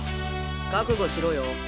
覚悟しろよ！